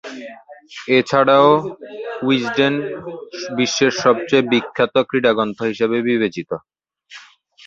এছাড়াও, উইজডেন বিশ্বের সবচেয়ে বিখ্যাত ক্রীড়া গ্রন্থ হিসেবে বিবেচিত।